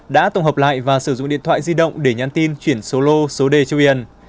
đã tổng hợp lại và sử dụng điện thoại di động để nhắn tin chuyển số lô số đề cho vn